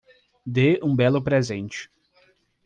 Dê um belo presente